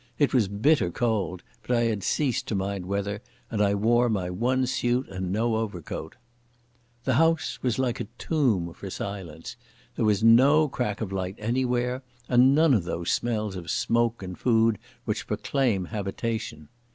It was bitter cold, but I had ceased to mind weather, and I wore my one suit and no overcoat. The house was like a tomb for silence. There was no crack of light anywhere, and none of those smells of smoke and food which proclaim habitation.